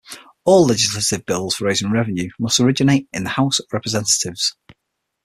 All legislative bills for raising revenue must originate in the House of Representatives.